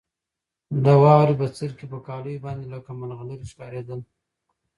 د واورې بڅرکي په کالیو باندې لکه ملغلرې ښکارېدل.